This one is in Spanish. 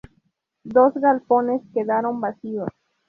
Dos galpones quedaron vacíos.